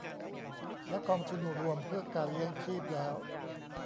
และกองทุนรวมเพื่อการเลี้ยงชีพแล้ว